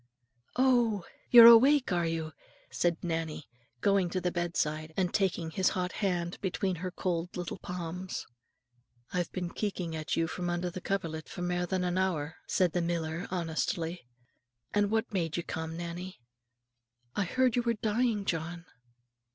"Oh! you're awake, are you?" said Nannie, going to the bedside, and taking his hot hand between her cold little palms. "I've been keeking at you from under the coverlit for mair than an hour," said the miller, honestly. "And what made ye come, Nannie?" "I heard you were dying, John."